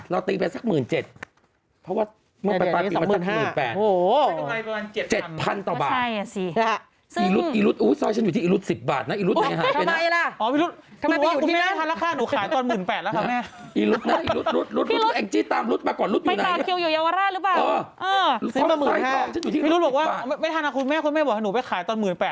เราตีไปสัก๑๗๐๐๐เพราะว่าเมื่อประปับลงตั้ง๑๘๐๐๐โอ้โห๗๐๐๐บาทใช่แล้วสิซึ่งอีรุ๊ดอุ้ยซายฉันอยู่ที่อีรุ๊ด๑๐บาทนะอ๋ออีรุ๊ดมันไม่หาไปนะทำไมล่ะอ๋อพี่รุ๊ดถ้าคุณไม่ได้ทันละค่ะทำไมไปอยู่ที่หนูขายตอน๑๘๐๐๐บาทนะคะแม่อีรุ๊ดนะรุ๊ดขอบคุณแอ๊